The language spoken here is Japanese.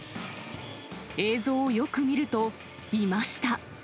映像をよく見ると、いました。